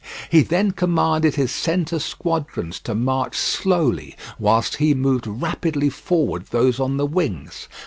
He then commanded his centre squadrons to march slowly, whilst he moved rapidly forward those on the wings.